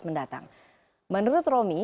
mendatang menurut romi